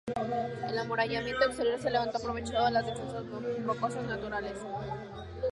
El amurallamiento exterior se levantó aprovechando las defensas rocosas naturales.